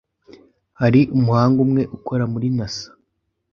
hari umuhanga umwe ukora muri Nasa